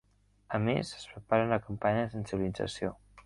A més, es prepara una campanya de sensibilització.